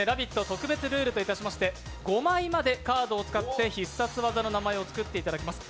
特別ルールといたしまして５枚までカードを使って必殺技の名前をつくっていただきます。